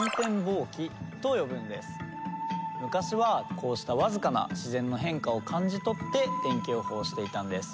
昔はこうした僅かな自然の変化を感じ取って天気予報していたんです。